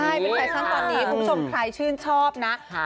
ใช่เป็นแฟชั่นตอนนี้คุณผู้ชมใครชื่นชอบนะ